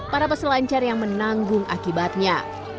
para peselancar yang menanggung akibatnya